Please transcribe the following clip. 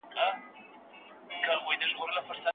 د پردیو خپلو ویني بهېدلې